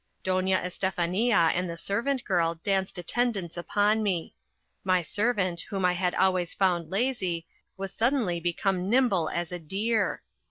Doña Estefania and the servant girl danced attendance upon me; my servant, whom I had always found lazy, was suddenly become nimble as a deer.